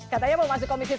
katanya mau masuk komisi tiga